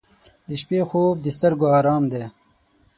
• د شپې خوب د سترګو آرام دی.